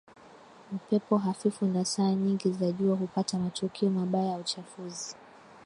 upepo hafifu na saa nyingi za jua hupata matukio mabaya ya uchafuzi